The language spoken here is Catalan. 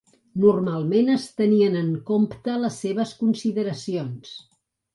Normalment es tenien en compte les seves consideracions.